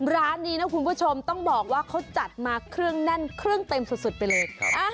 ร้านนี้นะคุณผู้ชมต้องบอกว่าเขาจัดมาเครื่องแน่นเครื่องเต็มสุดไปเลย